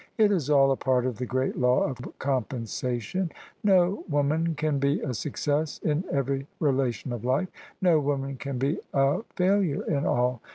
It is all a part of the great law of compensation : no woman can be a success in every relation of life — ^no woman can be a fail ure in all.